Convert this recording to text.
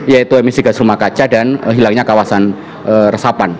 yaitu emisi gas rumah kaca dan hilangnya kawasan resapan